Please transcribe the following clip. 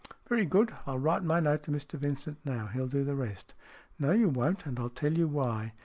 "Very good. I'll write my note to Mr Vincent now. He'll do the rest." " No you [won't, and I'll tell you why.